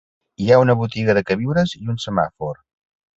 Hi ha una botiga de queviures i un semàfor.